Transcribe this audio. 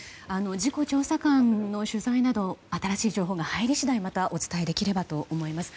事故調査官の取材など新しい情報が入り次第お伝えできればと思います。